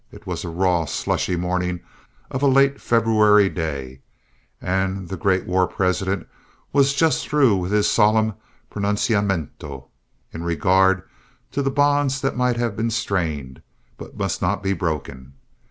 It was a raw, slushy morning of a late February day, and the great war President was just through with his solemn pronunciamento in regard to the bonds that might have been strained but must not be broken.